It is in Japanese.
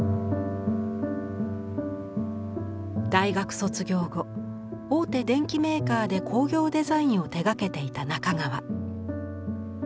大学卒業後大手電器メーカーで工業デザインを手がけていた中川。